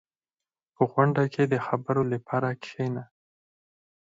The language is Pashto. • په غونډه کې د خبرو لپاره کښېنه.